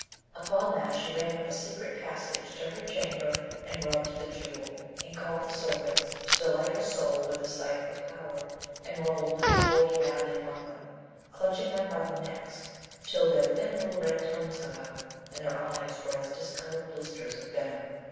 Upon that she ran up a secret passage to her chamber and rubbed the Jewel, and called the serpents, to delight her soul with the sight of her power, and rolled and sported madly among them, clutching them by the necks till their thin little red tongues hung out, and their eyes were as discoloured blisters of venom.